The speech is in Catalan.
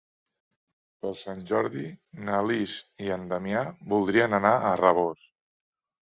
Per Sant Jordi na Lis i en Damià voldrien anar a Rabós.